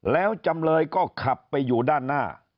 แล้วจำเลยก็ขับไปอยู่ด้านหน้า